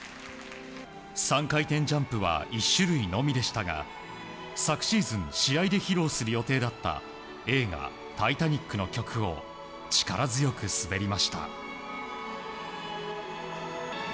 ３回転ジャンプは１種類のみでしたが昨シーズン試合で披露する予定だった映画「タイタニック」の曲を力強く滑りました。